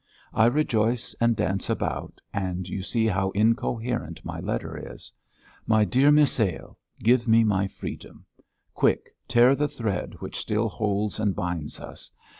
I rejoice and dance about and you see how incoherent my letter is. My dear Misail, give me my freedom. Quick, tear the thread which still holds and binds us.